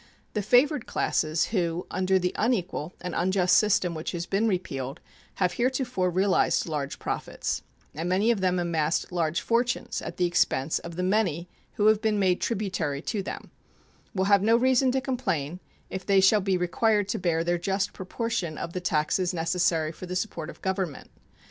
The favored classes who under the unequal and unjust system which has been repealed have heretofore realized large profits, and many of them amassed large fortunes at the expense of the many who have been made tributary to them, will have no reason to complain if they shall be required to bear their just proportion of the taxes necessary for the support of Government.